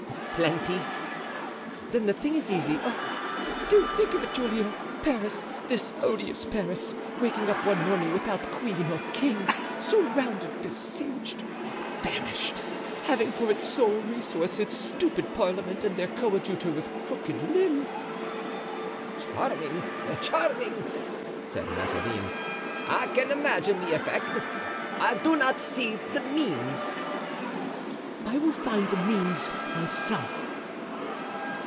"Plenty." "Then the thing is easy. Oh! do think of it, Giulio! Paris, this odious Paris, waking up one morning without queen or king, surrounded, besieged, famished—having for its sole resource its stupid parliament and their coadjutor with crooked limbs!" "Charming! charming!" said Mazarin. "I can imagine the effect, I do not see the means." "I will find the means myself."